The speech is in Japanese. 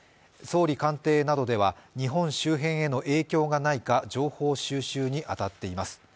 総理官邸などでは日本周辺への影響がないか情報収集に当たっています。